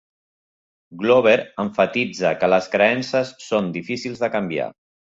Glover emfasitza que les creences són difícils de canviar.